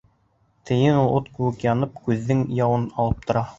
Тейен ул, ут кеүек янып, күҙҙең яуын алып тора.